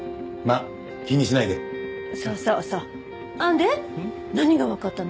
で何がわかったの？